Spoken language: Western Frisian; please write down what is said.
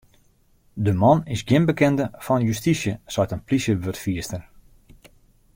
De man is gjin bekende fan justysje, seit in plysjewurdfierster.